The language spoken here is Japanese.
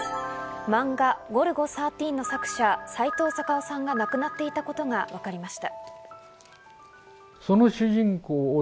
漫画『ゴルゴ１３』の作者、さいとう・たかをさんが亡くなっていたことが分かりました。